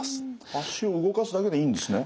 足を動かすだけでいいんですね。